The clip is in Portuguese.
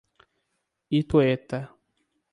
Itueta